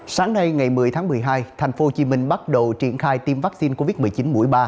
sáng nay ngày một mươi tháng một mươi hai tp hcm bắt đầu triển khai tiêm vaccine covid một mươi chín mũi ba